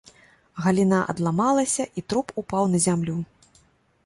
Галіна адламалася, і труп упаў на зямлю.